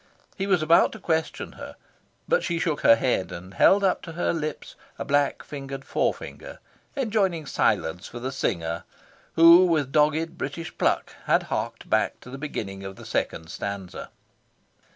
He was about to question her, but she shook her head and held up to her lips a black gloved forefinger, enjoining silence for the singer, who, with dogged British pluck, had harked back to the beginning of the second stanza.